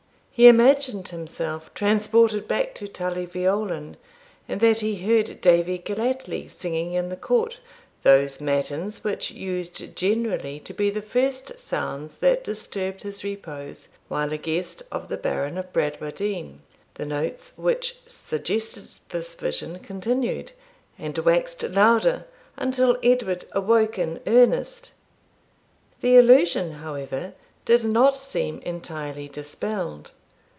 He imagined himself transported back to Tully Veolan, and that he heard Davie Gellatley singing in the court those matins which used generally to be the first sounds that disturbed his repose while a guest of the Baron of Bradwardine. The notes which suggested this vision continued, and waxed louder, until Edward awoke in earnest. The illusion, however, did not seem entirely dispelled.